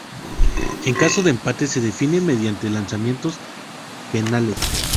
En caso de empate se define mediante lanzamientos penales.